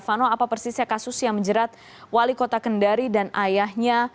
vano apa persisnya kasus yang menjerat wali kota kendari dan ayahnya